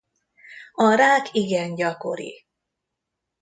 A rák igen gyakori.